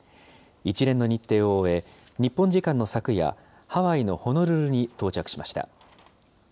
一連の日程を終え、日本時間の昨夜、ハワイのホノルルに到着しました。